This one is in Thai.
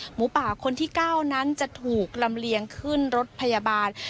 หมูป่าคนที่๙นั้นจะถูกลำเลียงขึ้นรถพยาบาล